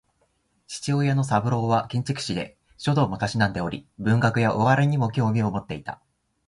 父親の三郎は建築士で、書道も嗜んでおり文学やお笑いにも興味を持っていた